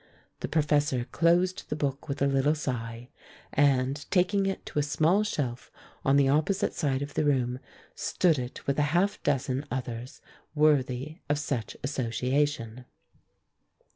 The professor closed the book with a little sigh, and taking it to a small shelf on the opposite side of the room, stood it with a half dozen others worthy of such association.